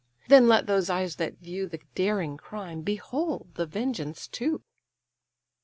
—Then let those eyes that view The daring crime, behold the vengeance too."